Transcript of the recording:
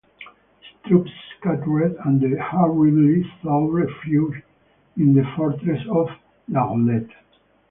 His troops scattered and he hurriedly sought refuge in the fortress of La Goulette.